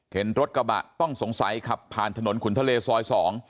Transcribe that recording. เห็นรถกระบะต้องสงสัยขับผ่านถนนขุนทะเลซอยสอง